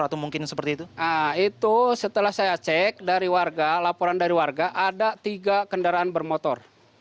nah itu setelah saya cek dari warga laporan dari warga ada tiga kendaraan bermotor